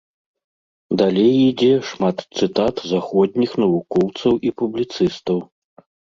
Далей ідзе шмат цытат заходніх навукоўцаў і публіцыстаў.